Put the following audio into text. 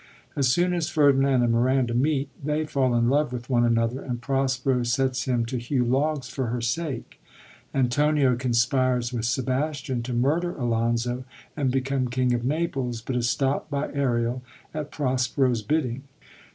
As soon as Ferdinand and Miranda meet, they fall in love with one another, and Prospero sets him to hew logs for her sake. Antonio conspires with Sebastian to murder Alonso and become king of Naples, but is stopt by Ariel at Prospero's bidding.